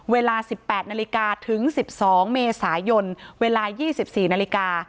เวลาสิบแปดนาฬิกาถึงสิบสองเมษายนเวลายี่สิบสี่นาฬิกา